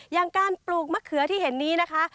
อย่างการปลูกมะเขือที่เห็นนี้นะคะ